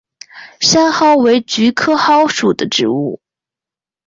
山蒿为菊科蒿属的植物。